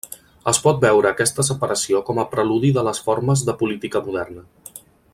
Es pot veure aquesta separació com a preludi de les formes de política moderna.